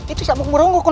itu siapa yang mencari aku